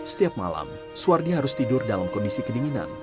setiap malam suwardi harus tidur dalam kondisi kedinginan